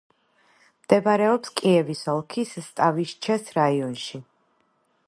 მდებარეობს კიევის ოლქის სტავიშჩეს რაიონში.